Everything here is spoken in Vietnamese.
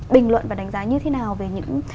bình luận và đánh giá như thế nào về những